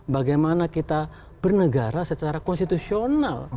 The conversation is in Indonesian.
bagaimana kita bernegara secara konstitusional